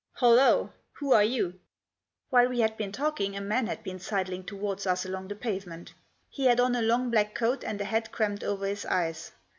Hollo ! Who are you ?" While we had been talking a man had been sidling towards us along the pavement. He had on a long black coat, and a hat crammed over his eyes.